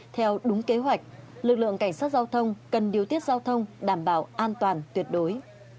theo đúng kế hoạch lực lượng cảnh sát giao thông cần điều tiết giao thông đảm bảo an toàn tuyệt đối